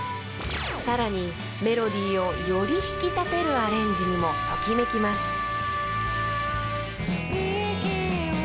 ［さらにメロディーをより引き立てるアレンジにもときめきます］